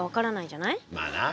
まあな。